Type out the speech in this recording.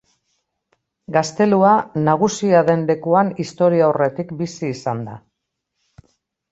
Gaztelua nagusia den lekuan historiaurretik bizi izan da.